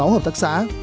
sáu hợp tác xã